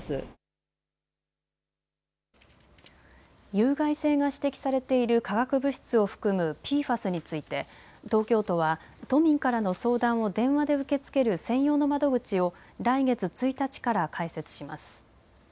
有害性が指摘されている化学物質を含むＰＦＡＳについて東京都は都民からの相談を電話で受け付ける専用の窓口を来月１日から開設します。